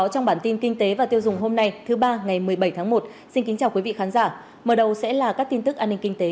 hãy đăng ký kênh để ủng hộ kênh của chúng mình nhé